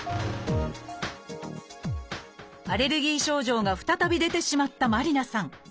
アレルギー症状が再び出てしまった麻里凪さん。